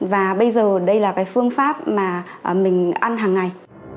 và bây giờ đây là cái phương pháp mà mình ăn hàng ngày